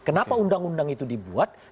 kenapa undang undang itu dibuat